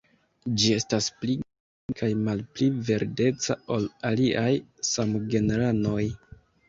Ĝi estas pli griza kaj malpli verdeca ol aliaj samgenranoj.